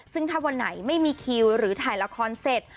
ซึ่งถ้าวันไหนไม่มีคิวหรือถ่ายละครเสร็จ